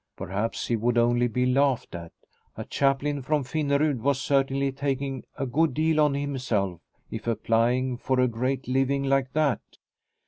Perhaps he would only be laughed at ; a chap lain from Finnerud was certainly taking a good deal on himself in applying for a great living like that.